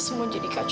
kita baik baik saja